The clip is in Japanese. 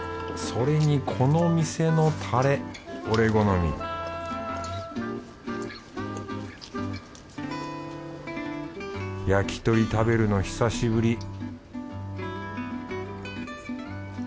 それにこのお店のタレ俺好み焼き鳥食べるの久しぶり